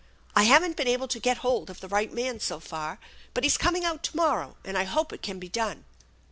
I haven't been able to get hold of the right man so far ; but he's coming out to morrow, and I hope it can be done.